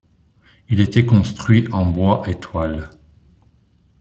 Il était construit en bois et toile.